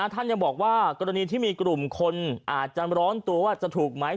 ท่านยังบอกว่ากรณีที่มีกลุ่มคนอาจจะร้อนตัวว่าจะถูกไหม